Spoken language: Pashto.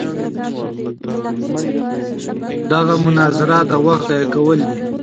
دغه مناظره د وخت ضایع کول دي.